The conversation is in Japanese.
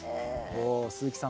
お鈴木さん